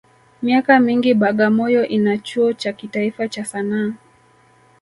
Miaka mingi Bagamoyo ina chuo cha kitaifa cha Sanaa